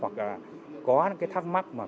hoặc là có cái thắc mắc mà